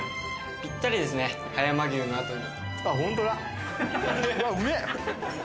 ぴったりですね、葉山牛のあとに。